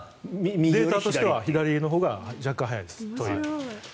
データとしては右のほうが若干早いです。